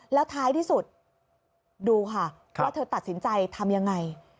แล้วท้ายที่สุดดูค่ะว่าเธอตัดสินใจทำยังไง